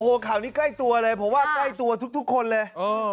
โอ้โหข่าวนี้ใกล้ตัวเลยผมว่าใกล้ตัวทุกคนเลย